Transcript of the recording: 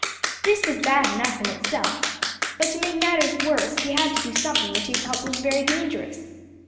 This was bad enough in itself, but to make matters worse he had to do something which he felt was very dangerous.